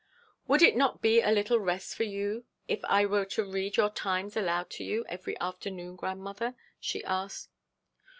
'Would it not be a little rest for you if I were to read your Times aloud to you every afternoon, grandmother?' she asked.